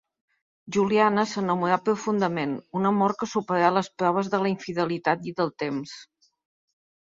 Juliana s'enamorà profundament, un amor que superà les proves de la infidelitat i del temps.